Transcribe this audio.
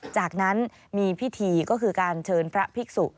จากนั้นมีพิธีก็คือการเชิญพระภิกษุ